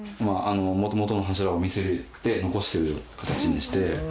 元々の柱を見せて残してる形にして。